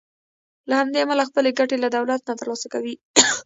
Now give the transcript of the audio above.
له همدې امله هغوی خپلې ګټې له دولت نه تر لاسه کوي.